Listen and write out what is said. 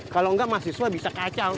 kalau enggak mahasiswa bisa kacau